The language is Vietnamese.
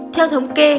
theo thống kê